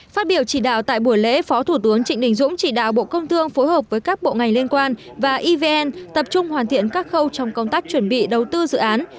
phát biểu chỉ đạo tại buổi lễ phó thủ tướng trịnh đình dũng chỉ đạo bộ công thương phối hợp với các bộ ngành liên quan và evn tập trung hoàn thiện các khâu trong công tác chuẩn bị đầu tư dự án